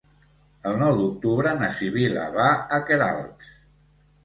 El nou d'octubre na Sibil·la va a Queralbs.